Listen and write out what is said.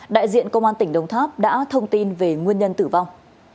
đại diện công an tỉnh đồng tháp đã thông tin về nguyên nhân tử vong